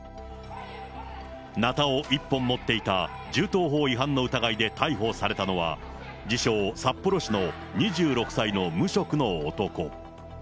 なたを１本持っていた銃刀法違反の疑いで逮捕されたのは、自称、札幌市の２６歳の無職の男。